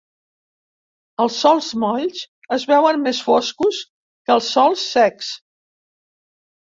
Els sòls molls es veuen més foscos que els sòls secs.